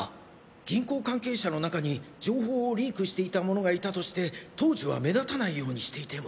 銀行関係者の中に情報をリークしていた者がいたとして当時は目立たないようにしていても。